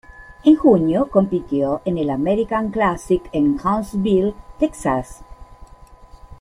En junio, compitió en el American Classic en Huntsville, Texas.